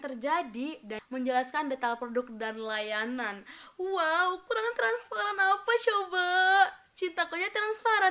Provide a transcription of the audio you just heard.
terjadi dan menjelaskan detail produk dan layanan wow kurang transparan apa coba citakonya transparan